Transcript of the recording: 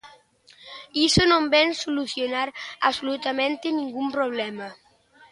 Iso non vén solucionar absolutamente ningún problema.